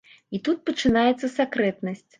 І тут пачынаецца сакрэтнасць.